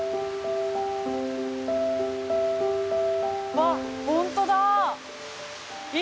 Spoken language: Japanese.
あっ本当だ。